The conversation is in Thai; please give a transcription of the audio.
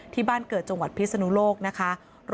ที่บ้านเกิดจังหวัดพิษนุโลกนะคะรวมถึงบ้านพระยายในจังหวัดนักษกรนคร